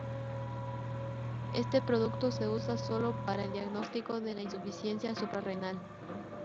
Este producto se usa solo para el diagnóstico de la insuficiencia suprarrenal.